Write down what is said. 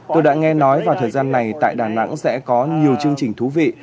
tôi đã nghe nói vào thời gian này tại đà nẵng sẽ có nhiều chương trình thú vị